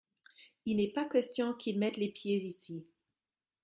Il n’est pas question qu’il mette les pieds ici.